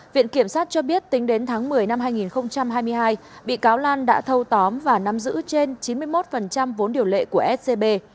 viện kiểm sát cho biết tính đến tháng một mươi năm hai nghìn hai mươi hai bị cáo lan đã thâu tóm và nắm giữ trên chín mươi một vốn điều lệ của scb